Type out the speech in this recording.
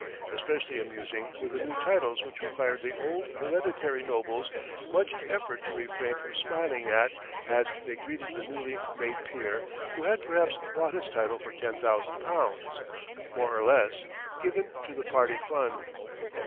Especially amusing were the new titles which required the old hereditary nobles much effort to refrain from smiling at as they greeted the newly made peer who had perhaps bought his title for ten thousand pounds, more or less, given to the party fund.